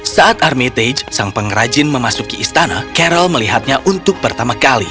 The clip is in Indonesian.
saat armitage sang pengrajin memasuki istana carol melihatnya untuk pertama kali